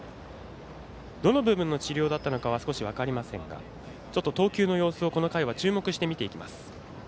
どの部分の治療だったのかは少し分かりませんが投球の様子をこの回は注目して見ていきます。